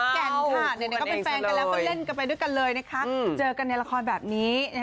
แก่นค่ะก็เป็นแฟนกันแล้วก็เล่นกันไปด้วยกันเลยนะคะเจอกันในละครแบบนี้